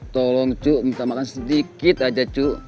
tolong cu minta makan sedikit aja cu